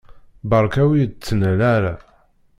Beṛka ur yi-d-ttnal ara.